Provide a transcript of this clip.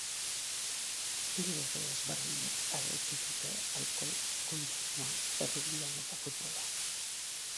Bi lege ezberdinek arautzen dute alkohol kontsumoa errugbian eta futbolean.